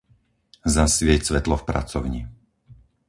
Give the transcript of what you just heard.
Zasvieť svetlo v pracovni.